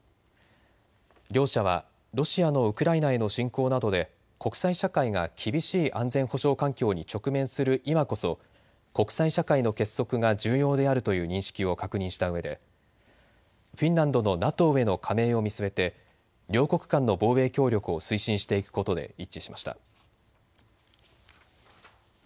両者はロシアのウクライナへの侵攻などで国際社会が厳しい安全保障環境に直面する今こそ国際社会の結束が重要であるという認識を確認したうえで、フィンランドのＮＡＴＯへの加盟を見据えて両国間の防衛協力を推進していくことで一致しました。